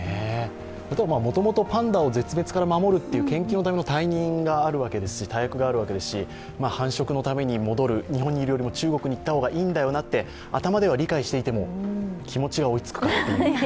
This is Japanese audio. もともとパンダを絶滅から守るという研究のための大役があるわけですし、繁殖のために戻る、日本にいるより中国にいる方がいいんだよなと頭では理解していても、気持ちが追いつくかという。